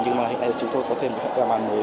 nhưng chúng tôi có thêm hệ giao man mới